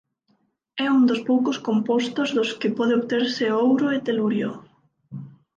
É un dos poucos compostos dos que pode obterse ouro e telurio.